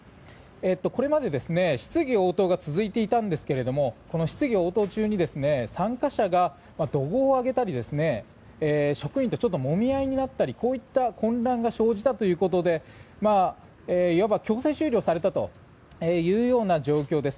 これまで質疑応答が続いていたんですがこの質疑応答中に参加者が怒号を上げたり職員ともみ合いになったりこういった混乱が生じたということでいわば強制終了されたというような状況です。